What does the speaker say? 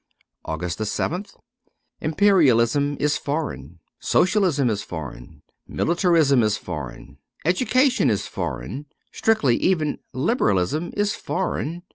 244 AUGUST 7th IMPERIALISM is foreign, Socialism is foreign, Militarism is foreign, Education is foreign, strictly even Liberalism is foreign.